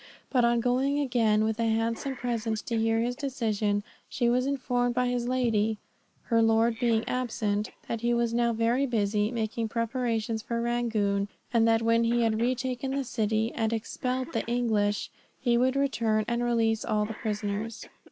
But on going again with a handsome present to hear his decision, she was informed by his lady her lord being absent that he was now very busy, making preparations for Rangoon, but that when he had retaken that city, and expelled the English, he would return and release all the prisoners.